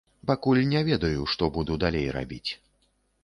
Пакуль не ведаю, што буду далей рабіць.